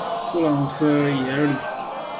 勒布莱蒂耶尔里。